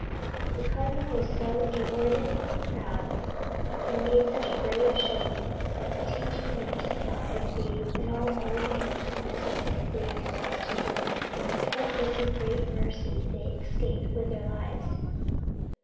The Cardinal was so inordinately proud, and made such a brave showing of teaching them to fly, bathe, and all the other things necessary for young birds to know, that it was a great mercy they escaped with their lives.